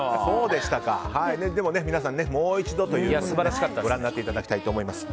でもね、皆さんもう一度ということでご覧になっていただきたいと思います。